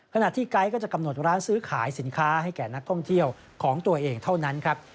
ไกด์ก็จะกำหนดร้านซื้อขายสินค้าให้แก่นักท่องเที่ยวของตัวเองเท่านั้นครับ